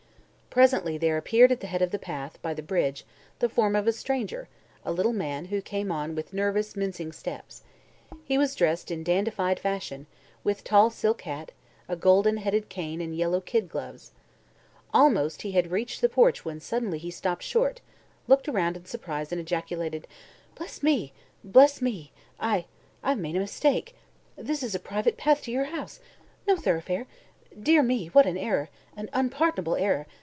Presently there appeared at the head of the path, by the bridge, the form of a stranger, a little man who came on with nervous, mincing steps. He was dressed in dandified fashion, with tall silk hat, a gold headed cane and yellow kid gloves. Almost had he reached the porch when suddenly he stopped short, looked around in surprise and ejaculated: "Bless me bless me! I I've made a mistake. This is a private path to your house. No thoroughfare. Dear me, what an error; an unpardonable error.